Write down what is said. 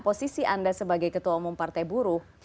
posisi anda sebagai ketua umum partai buruh